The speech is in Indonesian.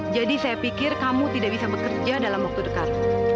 jadi saya pikir kamu tidak bisa bekerja dalam waktu dekat